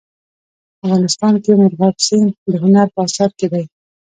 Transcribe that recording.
افغانستان کې مورغاب سیند د هنر په اثار کې دی.